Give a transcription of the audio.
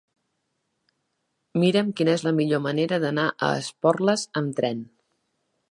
Mira'm quina és la millor manera d'anar a Esporles amb tren.